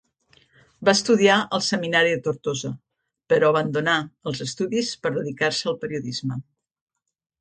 Va estudiar al Seminari de Tortosa, però abandonà els estudis per dedicar-se al periodisme.